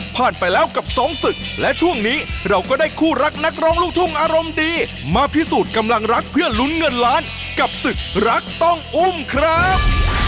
ไปแล้วกับสองศึกและช่วงนี้เราก็ได้คู่รักนักร้องลูกทุ่งอารมณ์ดีมาพิสูจน์กำลังรักเพื่อลุ้นเงินล้านกับศึกรักต้องอุ้มครับ